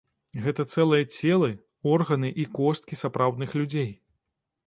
Гэта цэлыя целы, органы і косткі сапраўдных людзей.